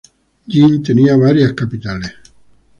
Jin tenía varias capitales.